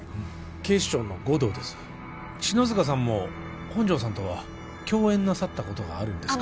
警視庁の護道です篠塚さんも本条さんとは共演なさったことがあるんですか？